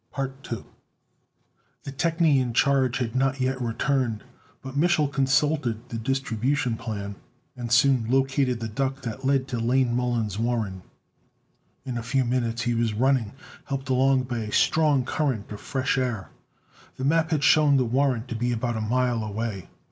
The technie in charge had not yet returned, but Mich'l consulted the distribution plan, and soon located the duct that led to Lane Mollon's warren. In a few minutes he was running, helped along by a strong current of fresh air. The map had shown the warren to be about a mile away.